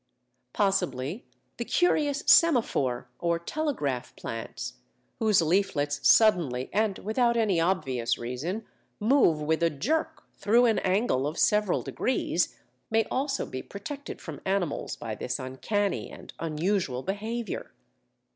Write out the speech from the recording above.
Possibly the curious Semaphore or Telegraph Plants, whose leaflets suddenly and without any obvious reason move with a jerk through an angle of several degrees, may also be protected from animals by this uncanny and unusual behaviour.